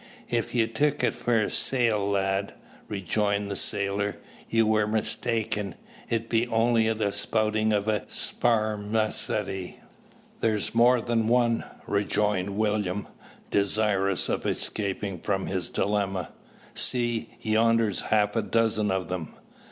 "If ye took it for a sail, lad," rejoined the sailor, "you war mistaken. It be only the spoutin' o' a sparmacety." "There's more than one," rejoined William, desirous of escaping from his dilemma. "See, yonder's half a dozen of them!"